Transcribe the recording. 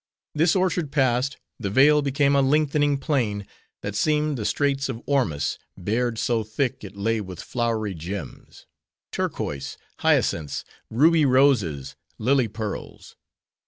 This orchard passed, the vale became a lengthening plain, that seemed the Straits of Ormus bared so thick it lay with flowery gems: torquoise hyacinths, ruby roses, lily pearls.